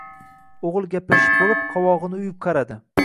O`g`il gaplashib bo`lib, qovog`ini uyib qaradi